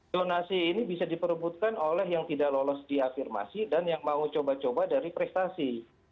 donasi ini bisa diperebutkan oleh yang tidak lolos di afirmasi dan yang mau coba coba dari prestasi